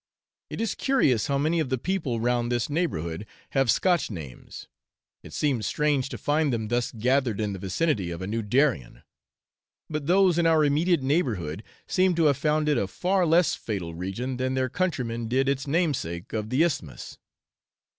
It is curious how many of the people round this neighbourhood have Scotch names; it seems strange to find them thus gathered in the vicinity of a new Darien; but those in our immediate neighbourhood seem to have found it a far less fatal region than their countrymen did its namesake of the Isthmus.